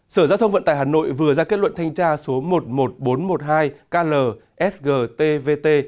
sở giao thông vận tải hà nội vừa ra kết luận thanh tra số một mươi một nghìn bốn trăm một mươi hai kl sgtvt